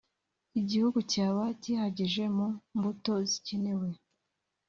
Igihugu cyaba cyihagije mu mbuto zikenewe